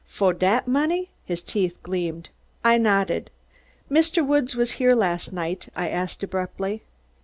"Fo' dat money?" His teeth gleamed. I nodded. "Mr. Woods was here last night?" I asked, abruptly.